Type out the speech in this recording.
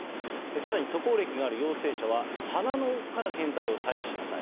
さらに渡航歴がある陽性者は、鼻の奥から検体を採取しなさい。